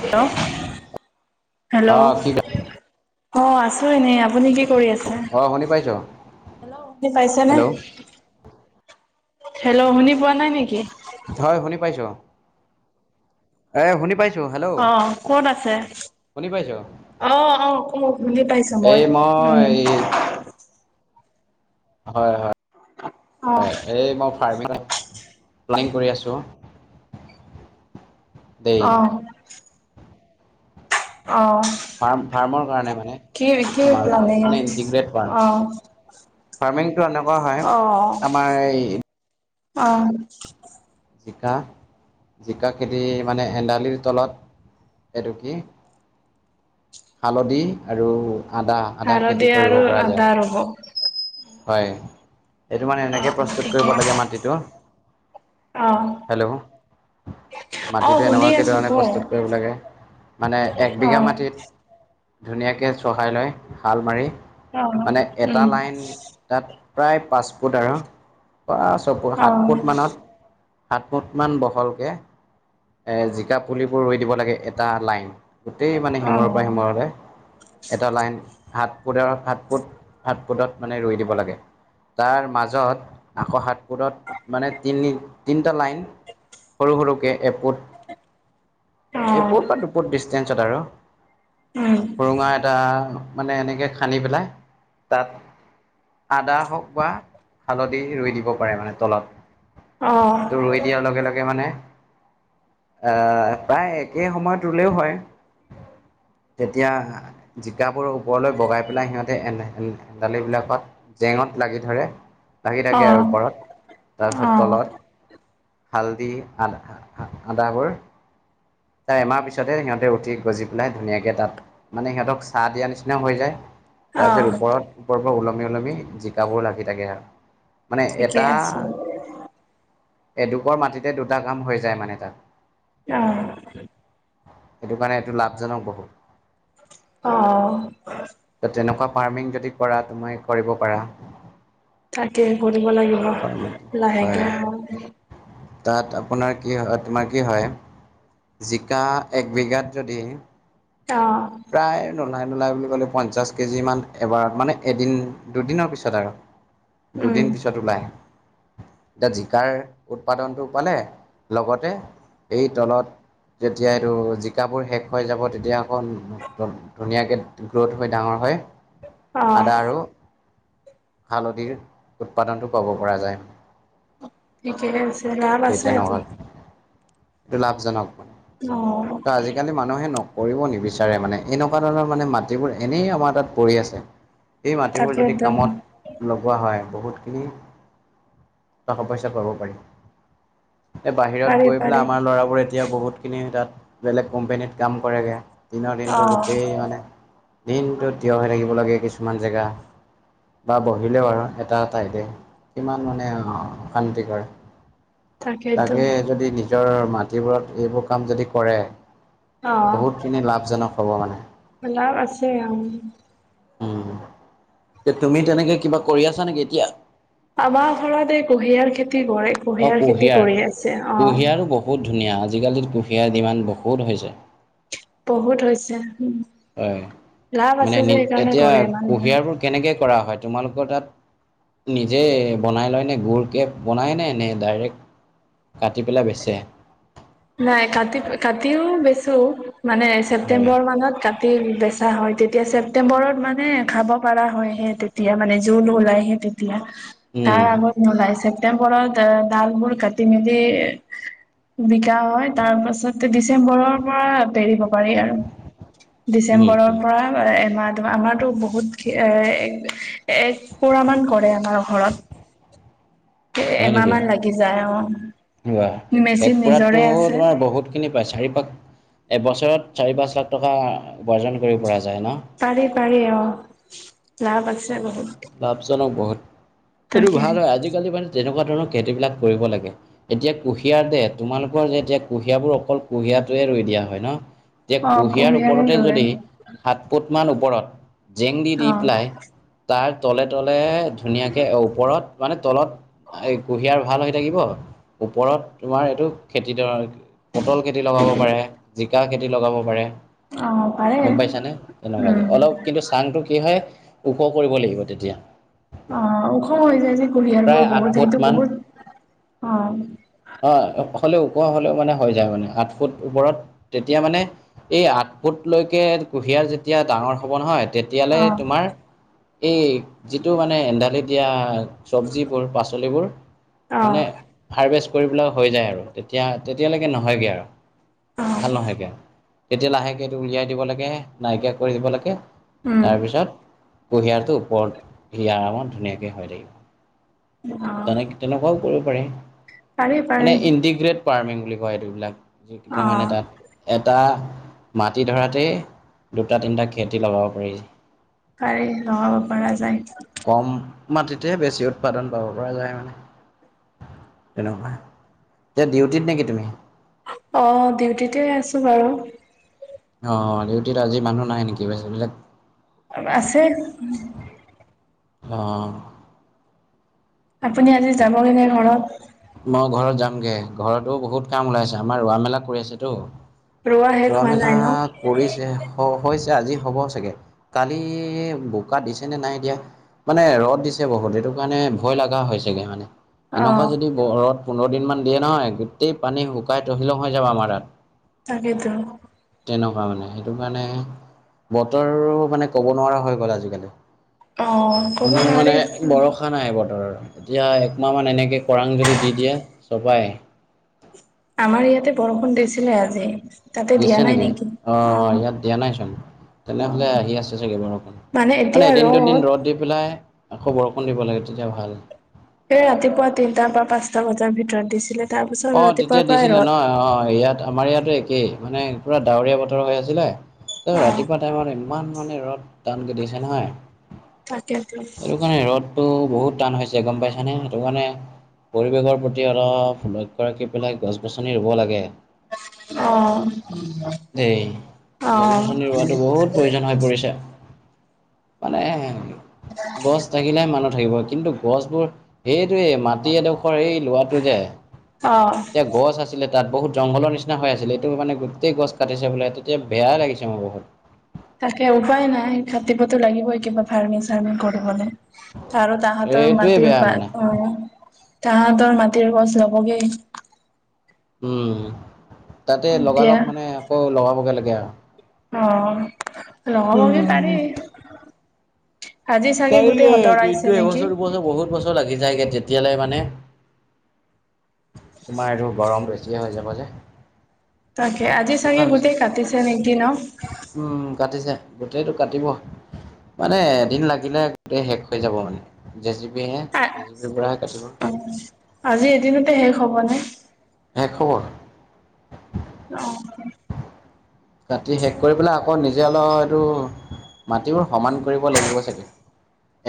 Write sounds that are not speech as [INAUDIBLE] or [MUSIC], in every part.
Hello অ hello কি অ আছো এনেই। আপুনি কি কৰি আছে অ শুনি পাইছ হেল্লো বুজি পাইছেনে? হেল্ল' হেল্লো' শুনি পোৱা নাই নেকি? হয় শুনি পাইছোঁ। এ শুনি পাইছো। হেল্ল' অ কত আছে শুনি পাইছ অ অ ক বুজি পাইছো মই এই উম। মই হয় হয় অ হয় এই মই ক্লিন কৰি আছো। আহ। অঁ। ফাৰ্ম ফাৰ্মৰ কাৰণে মানে প্লানিং মানে ইণ্টিগ্ৰেট অ ফাৰ্ম। ফাৰ্মিংটো এনেকুৱা হয় অ আমাৰ এই অ। জিকা জিকা খেতি মানে হেন্দালি তলত। এইটো কি হালধি আৰু আদা আদা খেতি হালধীয়া কৰিব আৰু পৰা যায় আদা ৰ'ব হয়। এইটো মানে অ অ এনেকে প্ৰস্তুত ঠিকে কৰিব আছে লাগে মাটিটো অ। হেল্ল' অ মাটিটো শুনি এনেকুৱাকে আছো ক ধৰণে প্ৰস্তুত কৰিব লাগে মানে অ একবিঘা মাটিত ধুনীয়াকে চহাই লৈ হাল মাৰি অ মানে এটা উম লাইন তাত প্ৰায় পাঁচ ফুট আৰু ছয়ফুট অ সাতফুট মনত। সাতফুটমান বহলকৈ এ জিকা পুলিবোৰ ৰুই দিব লাগে এটা লাইন। গোটেই মানে অ সিমূৰ পৰা সিমূৰলে। এটা লাইন হাত ফুৰাত ফুটাত ফুটত মানে ৰুই দিব লাগে তাৰ মাজত আকৌ সাত মোৰত মানে তিনি তিনিটা লাইন সৰু সৰুকে এপট অ এপট বা দুপুট ডিষ্টেঞ্চত আৰু উম সুৰুঙা এটা মানে এনেকে খান্দি পেলাই তাত আদা হওক বা হালধি ৰুই দিব পাৰে মানে তলত- এটো অ', ৰুই দিয়াৰ লগে লগে মানে আহ প্ৰায় একে সময়তলেও হয়। [UNINTELLIGIBLE] তেতিয়া জিকাবোৰৰ ওপৰলৈ বগাই পেলাই সিহঁতে এন শেনদালি বিলাকত জেঙত লাগি ধৰে লাগি থাকে আৰু অ', ওপৰত তাৰপিছত অ', তলত হালদি আদ আদাবোৰ তাৰ এমাৰ পিছতে সিহঁতে উঠি গজি পেলাই ধুনীয়াকে তাত মানে সিহঁতক চাহ দিয়া নিচিনা হৈ যায় তাৰপিছত অ', ওপৰত ওপৰৰ পৰা ওলমি ওলমি জিকাবোৰ লাগি থাকে আৰু মানে ঠিকে এটা আছে। এডুখৰ মাটিতে দুটা কাম হৈ যায় মানে তাত আহ সেইটো কাৰণে এইটো লাভজনক বহুত অ ত তেনেকুৱা ফাৰ্মিং যদি কৰা তুমি কৰিব পাৰা। তাকে কৰিব লাগিব লাহেকে। হয় তাত আপোনাৰ কি হয় তোমাৰ কি হয় জিকা এক বিঘাত যদি অ [UNINTELLIGIBLE] নোলাই বুলি ক'লে পঞ্চাছ কেজিমান এবাৰত মানে এদিন দুদিনৰ পিছত আৰু উম, দুদিন পিছত ওলায়। এতিয়া জিকাৰ উৎপাদনটো পালে লগতে এই তলত যেতিয়া এইটো জিকাবোৰ শেষ হৈ যাব তেতিয়া অকণ ধুনীয়াকৈ গ্ৰ'থ হৈ ডাঙৰ হয় অ', আদা আৰু হালধিৰ উৎপাদনটো ক'ব পৰা যায়। ঠিকেহে আছে লাভ সেই আছে এতো তেনেকুৱা এইটো লাভজনক মান অ'। ত আজিকালি মানুহে নকৰিব নিবিচাৰে। মানে এনেকুৱা ধৰণৰ মানে মাটিবোৰ এনেই আমাৰ তাত পৰি আছে। এই মাটিবোৰ যদি তাকেইতো কামত লগোৱা হয় বহুত টকা পইচা পাব পাৰি। এই বাহিৰত পাৰি গৈ পেলাই পাৰি আমাৰ ল'ৰাবোৰ এতিয়া বহুতখিনি তাত বেলেগ কোম্পনীত কাম কৰেগে? দিনৰ দিনটো অ', গোটেই মানে দিনটো থিয় হৈ থাকিব লাগে কিছুমান জেগা। বা বহিলেও আৰু এটা এ ঠাইতে কিমান মানে অশান্তি কৰে। তাকেইতো তাকে যদি নিজৰ মাটিবোৰত এইবোৰ কাম যদি কৰে। অ', বহুত খিনি লাভ লাভ আছে অ উ এ তুমি তেনেকে কিবা কৰি আছা নেকি এতিয়া আমাৰ ঘৰত এই কুঁহিয়াৰ খেতি কৰে কুঁহিয়াৰ খেতি কৰি আছে অ কুঁহিয়াৰো বহুত ধুনীয়া আজিকালিৰ কুঁহিয়াৰ ডিমাণ্ড বহুত হৈছে বহুত হৈছে। হয় লাভ মানে আছে যে নি সেইকাৰণে এতিয়া কৰে মানুহে কুহিয়াৰ বোৰ কেনেকে কৰা হয় তোমালোক তাত নিজে বনাই লয় নে গুৰকে বনাইনে নে ডাইৰেক্ট কাটি পেলাই বেচে। নাই কাট কাটিও বেছো, মানে হয় ছেপ্তেম্বৰ মানত কাটি বেছ আ হয় তেতিয়া ছেপ্তেম্বৰত মানে খাব পৰা হয় হে তেতিয়া মানে জুন ওলাই হে তেতিয়া। তাৰ উম আগত নুলাইছে। তেওঁ ঘৰত দাগবোৰ কাটি মেলি তেওঁ হয় তাৰ পাছত ডিচেম্বৰৰ পৰা পাৰিব। পাৰি আৰু, উম ডিচেম্বৰৰ উম পৰা এমাহ। ম আমাৰতো বহুত এ এক পোৰা মান কৰে আমাৰ ঘৰত। হয় এমাহ নেকি মান লাগি যায় অঁ। এক পোৰাতো আছে তোমাৰ বহুতখিনি পায় চাৰি পাক এবছৰত চাৰি পাঁচ লাখ টকা উপাৰ্জন কৰিব পৰা আছে। পাৰি পাৰি অঁ লাভ আছে বহুত। সেইটো তাকে ভাল হয় আজিকালি মানে তেনেকুৱা। ধৰৰ খেতিবিলাক কৰিব লাগে এতিয়া কুঁহিয়াৰ দে তোমালোকৰ যে এতিয়া কুঁহিয়াবোৰ অকল কুঁহিয়াটোৱে ৰুই দিয়া হয় ন'হ। যে অ কুঁহিয়াৰ কুঁহিয়াৰে ওপৰতে ৰুৱে যদি সাত ফুটমান ওপৰত জেং দি দি অ পেলাই। তাৰ তলে তলে ধুনীয়াকৈ ওপৰত মানে তলত এই কুঁহিয়াৰ ভাল হৈ থাকিব ওপৰত তোমাৰ এইটো খেতি পটল খেতি লগাব পাৰে, জিকা খেতি লগাব পাৰে অ পাৰে গম পাইছানে? তেনেকুৱাকে উম অলপ কিন্তু চাংতটো কি হয় উপৰ কৰিব লাগিব তেতিয়া। অঁ ওখ হৈ যায় যে প্ৰায় কুহিয়াৰবোৰ আঠ বহুত ফুট এইটো মান বহুত অঁ। হ' ওপৰ হ'লেও মানে হৈ যায় মানে, আঠ ফুট ওপৰত তেতিয়া মানে এই আঠ ফুট লৈকে কুঁহিয়াৰ যেতিয়া ডাঙৰ হ'ব নহয় তেতিয়ালে অ তোমাৰ এই যিটো মানে এন্দালি দিয়া চবজিবোৰ পাচলিবোৰ অ মানে হাৰভেষ্ট কৰিবলে হৈ যায় আৰু তেতিয়া তেতিয়ালৈকে নহয়গৈ আৰু অ ভাল নহয়গৈ আৰু। তেতিয়া লাহেকৈটো উলিয়াই দিব লাগে নাইকিয়া কৰি দিব লাগে, উম তাৰপিছত কুহিয়াৰৰ টো ওপৰত হিয়াৰ আমাৰ ধুনীয়াকে হয় থাকিব। অ তেনেক তেনেকুৱা পাৰি, পাৰি মানে পাৰি ইটিগ্ৰেট ফাৰ্মিং বুলি কয় এইবিলাক য অ কেইটা মানে তাত এটা মাটি ধৰাতে দুটা তিনিটা খেতি লগাব পাৰি। পাৰি অঁ লগাব পৰা যাঁই। মাটিতেহে বেছি উৎপাদন পাব পৰা যায় মানে। তেনেকুৱা, এতিয়া ডিউটিত নেকি তুমি? অঁ ডিউটিতে আছো বাৰু। অঁ ডিউটিত আজি মানুহ নাই নেকি বাকী বিলাক? আৰু আছে। অঁ। আপুনি আজি যাবগে নে ঘৰত? মই ঘৰত ঘৰতো বহুত কাম ওলাইছে আমাৰ ৰোৱা মেলা কৰি আছেতো। শেষ ৰোৱা হোৱা মেলা নাই ন কৰিছে হৈছে। এ আজি হ'ব চাগে কালি বোকা দিছে নে নাই দিয়া? মানে ৰদ দিছে বহুত দ সেইটো কাৰণে ভয় লগা হৈ হৈছেগে মানে। অ এনেকুৱা যদি বৰত পোন্ধৰ দিন মান দিয়ে নহয় গোটেই পানী শুকাই তহিলং হৈ যাবা আমাৰ ইয়াত। তাকেতো। তেনেকুৱা মানে, সেইটো কাৰণে বতৰো মানে ক'ব নোৱাৰা হৈ গ'ল আজিকালি। অ ক'ব মানো মানে নোৱাৰি ভৰষা নাই বতৰৰ এতিয়া একমাহ মান এনেকে খৰাং যদি দি দিয়ে চবাই আমাৰ ইয়াতে বৰষুণ দিছিলে আজি তাতে দিয়া দিছে নাই নেকি অ ইয়াত দিয়া নাইচোন অ', তেনেহলে আহি আছে চাগে বাৰু অকণ মানে এদিন দুদিন ৰ'দ দি পেলাই খবৰকণ দিব লাগে তেতিয়া ভাল সে ৰাতিপুৱা তিনটাৰ পৰা পাঁচটা বজাৰ ভিতৰত দিছিলে তাৰ পিছত অ ৰাতিপুৱাৰ তেতিয়া পৰাই দিছিলে ৰ'দ ন অ ইয়াত আমাৰ ইয়াতো একেই মানে পুৰা ডাৱৰীয়া বতৰ হৈ আছিলে ত অ', ৰাতিপুৱা টাইমত ইমান মানে ৰদ টানকে দিছে নহয়। তাকেতো সেই কাৰণে ৰ'দটো বহুত। টান হৈছে গম পাইছানে? সেইটো কাৰনে পৰিৱেশৰ প্ৰতি অলপ গছ গছনি ৰুব লাগে। দেই অহ গছ গছনি ৰোৱাটো বহুত প্ৰয়োজন হৈ পৰিছে। মানে গছ থাকিলেহে মানুহ থাকিব কিন্তু গছবোৰ সেইটোৱেই মাটি এডোখৰ এই লোৱাটো যে অ', এতিয়া গছ আছিলে তাত বহুত জংঘলৰ নিচিনা হৈ আছিলে, এইটো মানে গোটেই গছ কাটিছে বোলে তেতিয়া বেয়াই লাগিছে মোৰ বহুত। তাকে উপায় নাই কাটিবতো লাগিবই কিবা ফাৰ্মিং চাৰ্মিং কৰিবলে। আৰু তাহতৰ এইটোৱে বেয়া মাটিৰপ মানে উ তাহাঁতৰ মাটিৰ গছ ল'বগে। উম তাতে এতিয়া লগালগ মানে আকৌ লগাবগে লাগে আও। অ লগাবহি পাৰি। আজি চাগে গোটেই পাৰিয়ে হতৰাইছে এইটো নেকি? এবছৰ দুবছৰ বহুত বছৰ লাগি যায়গে তে তিয়ালে মানে তোমাৰ এইটো গৰম বেছিয়ে হৈ যাব যে। তাকে আজি তেনেকুৱা চাগে হৈছে গোটেই কাটিছে নি কি ন? উম কাটিছে গোটেইটো কাটিব। মানে এদিন লাগিলে গোটেই শেষ হৈ যাব মানে জে চি বি হে জে চি বি পৰাহে কাটিব। আজি এদিনতে শেষ হবনে? শেষ হবৰ কাটি শেষ কৰি পেলাই আকৌ নিজে অলপ এইটো- মাটিবোৰ সমান কৰিব লাগিব চাগে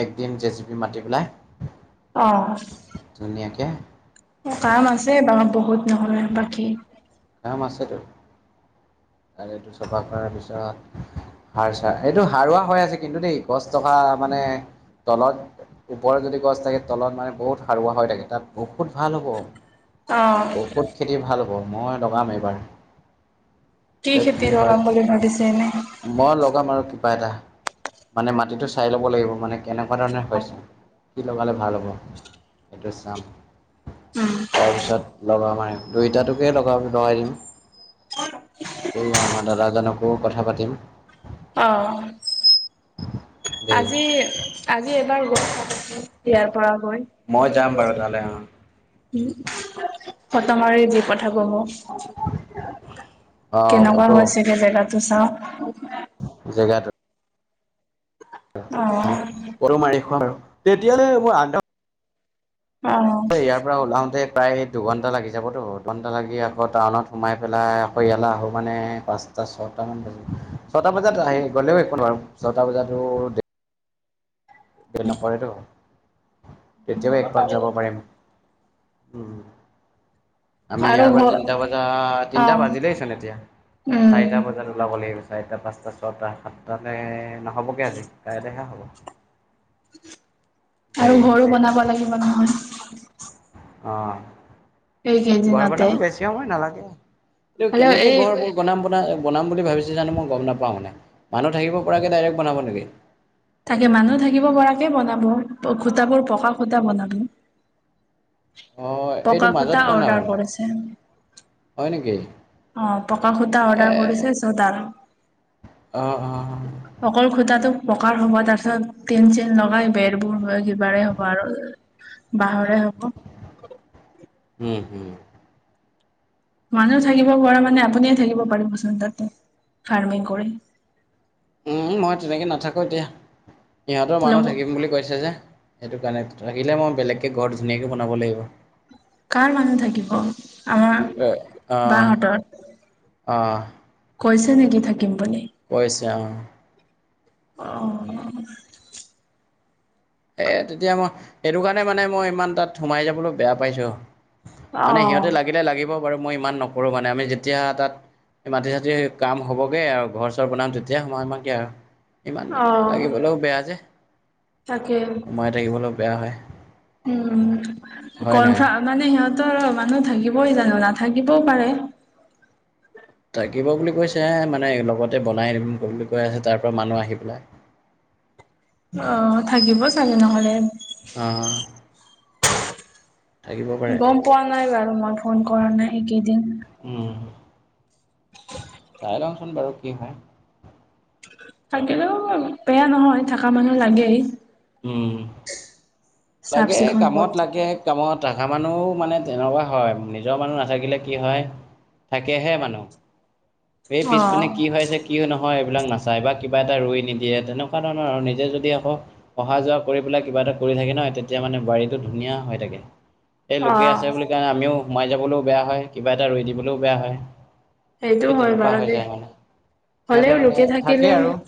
একদিন জে চি বি মাতি পেলাই। অ। কে কাম আছে বাৰু বহুত নহয় বাকী কাম আছে তোৰ? গড়ীটো চফা কৰাৰ পিছত হয় ছা এইটো হাৰুৱা হৈ আছে কিন্তু দেই গছ থকা মানে তলত ওপৰত যদি গছ থাকে তলত মানে বহুত সাৰুৱা হৈ থাকে তাত বহুত ভাল অ', হ'ব। ঔষধ খেতি ভাল হ'ব মই লগাম এইবাৰ। এতিয়া কি খেতি হয় লগাম বুলি ভাবিছে এনে? মই লগাম আৰু কিবা এটা, মানে মাটিটো চাই ল'ব লাগিব মানে কেনেকোৱা ধৰণে হৈছে। কি লগালে ভাল হ'ব সেইটো চাম, উম, তাৰপিছত লগাব মাৰিম দুইটাতোকে লগ লগাই দিম। এই আমাৰ দাদাজনকো কথা পাতিম। অ। [UNINTELLIGIBLE] আজি আজি এবাৰ গ ইয়াৰ পৰা গৈ হয় মই যাম বাৰু তালৈ অ'। উম। ফটমাৰি দি পঠাব মোক অ' কেনেকোৱা ফটো হৈছে সেই জেগা তো চাও জেগাটো অ', পৰু মাৰি খা আৰু তেতিয়ালে মই আগদ অ', ইয়াৰ পৰা ওলাওতে প্ৰায় দুঘণ্টা লাগি যাবতো দুঘণ্টা লাগি আকৌ টাউনত সোমাই পেলাই আকৌ ইয়ালৈ আহো মানে পাঁচ ছটামান ব ছটা বজাত আহি গ'লেও একো ন বোৱাৰ ছটা বজাতো। বেল নপৰেতো তেতিয়াও একপাক যাব পাৰিম। উম আমি আৰু ইয়াৰ পৰা ঘৰ তিনিটা বজা তিনিটা অ', বাজিলেইছ ন এতিয়া। উম, চাৰিটা বজাত ওলাব লাগিব চাৰটা পাঁচ। তাৰ ছটা সাতটালৈ নহ'বগৈ আজি কাইলৈহে হ'ব। দেই আৰু ঘৰু বনাব লাগিব নহয়। অ ঘৰ এইকেইদিনতে বনাব বেছি সময় নালাগে এইটো হ'লেও কেনেকে এই ঘৰ বনাম বন। বনাম বুলি ভাবিছছে জানো মই গম নাপাওঁ মানে মানুহ থাকিব পৰাকৈ ডাইৰেক্ট বনাব নেকি? তাকে মানুহ থাকিব পৰাকে বনাব খোটাবোৰ পকা খোটা বনাব। অঁ এইটো পকা মাজত খোটা বনাব অৰ্ডাৰ নেকি কৰিছে হয় নেকি অ পঁকা খোটা এ অৰ্ডাৰ কৰিছে ছডাল অঁ অঁ অকল খোটা তাতো পঁকাৰ হ'ব তাৰ পিছত টিন চিন লগাই বেৰবোৰ হয় কিবাৰে হ'ব আৰু বাঁহৰে হব উম হুম। মানুহ থাকিব পৰা মানে আপুনিয়ে থাকিব পাৰিবচোন তাতে ফাৰ্মিং কৰি। উ মই তেনেকে নাথাকো এতিয়া ইিহঁতৰ মানুহ লগত থাকিম বুলি কৈছে যে সেইটো কাৰণে। ৰাখিলে মই বেলেগকৈ ঘৰ ধুনীয়াকৈ বনাব লাগিব। কাৰ মানুহ থাকিব আমাৰ অঁ বহতত। অঁ। কইছে নেকি থাকিমবোলি? তেওঁ অ। এ তেতিয়া মই সেইটো কাৰণে মানে মই ইমান তাত সোমাই যাবলৈ বেয়া পাইছোঁ আৰু অ মানে অ সিহঁতে লাগিলে লাগিব বাৰু মই ইমান নকৰোঁ মানে আমি যেতিয়া তাত। মাটি চতি কাম হ'বগে আৰু ঘৰ চৰ বনাম তেতিয়া সময়মাকে আৰু ইমান অ মানে লাগিবলৈও বেয়া যে তাকে। সোমাই থাকিবলৈও বেয়া হয় উ হয় কনফ নাই মানে সিহঁত তৰ মানুহ থাকিবই জানো নাথাকিবও পাৰে। থাকিব বুলি কৈছে মানে লগতে বনাইম বুলি কৈ আছে তাৰ পৰা মানুহ আহি পেলাই। অ থাকিব চাগে নহলে। অ', থাকিব পাৰে গম পোৱা নাই বাৰু মই ফোন কৰা নাই এইকেইদিন। উম, চাই লওঁচোন বাৰু কি হয়। থাকিলেও বেয়া নহয় থকা মানুহ লাগেই। উম চাফ লাগে চিকুণ কৰি কামত থাকিব। লাগে কামত আধা মানুহ। মানে তেনেকুৱা হয় নিজৰ মানুহ নাথাকিলে কি হয় থাকেহে মানুহ। এই অ', পিছপিনে কি হৈ আছে কি নহয়। বিলাক নাচায় বা কিবা এটা ৰই নিদিয়ে তেনেকুৱা ধৰণৰ আৰু নিজে যদি আকৌ। অহা যোৱা কৰি পেলাই কিবা এটা কৰি থাকে ন তেতিয়া মানে বাৰীটো ধুনীয়া হৈ থাকে। এই লোকে অ', আছে বুলি কাৰণে আমিও সোমাই যাবলৈও বেয়া হয় কিবা এটা ৰৈ দিবলৈও বেয়া হয়। সেইটো এই হয় তেনেকুৱা বাৰু হৈ দেই। যায় মানে হ'লেও সিহঁতে মানে লোকে থাকে আৰু থাকিলেও